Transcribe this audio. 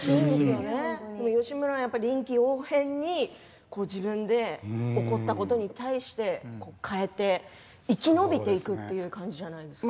義村は臨機応変に自分で起こったことに対して変えて生き延びていくっていう感じじゃないですか。